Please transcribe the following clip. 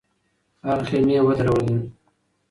هغه خېمې ودرولې.